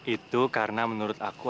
itu karena menurut aku